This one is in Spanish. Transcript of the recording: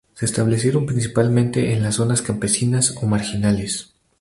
Se establecieron principalmente en las zonas campesinas o marginales.